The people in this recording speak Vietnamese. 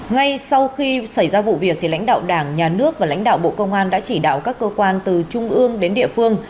ngay sau khi xảy ra vụ việc lãnh đạo đảng nhà nước và lãnh đạo bộ công an đã chỉ đạo các cơ quan từ trung ương đến địa phương